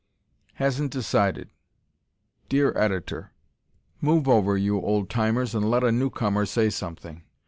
Hasn't Decided Dear Editor: Move over, you old timers, and let a newcomer say something.